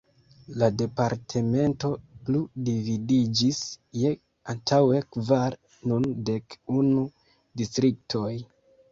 La departemento plu dividiĝis je antaŭe kvar, nun dek unu distriktoj.